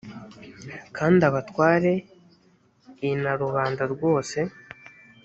kandi abatware i na rubanda rwose